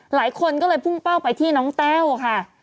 หลายคนก็เลยพุ่งเป้าไปที่น้องแต้วค่ะ